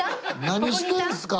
何してるんすか！